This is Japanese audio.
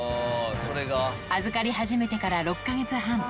預かり始めてから６か月半。